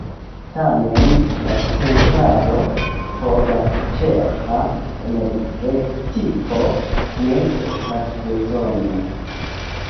Tamen la centralo por la ĉeĥa energetiko ne estas bezona.